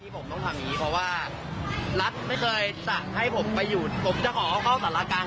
เป็นทางเดินของรถ